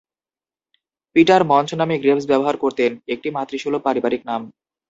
Peter মঞ্চ নাম "Graves" ব্যবহার করতেন, একটি মাতৃসুলভ পারিবারিক নাম।